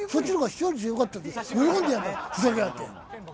ふざけやがって。